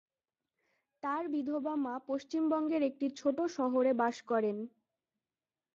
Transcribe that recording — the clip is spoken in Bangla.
তার বিধবা মা পশ্চিমবঙ্গের একটি ছোটো শহরে বাস করেন।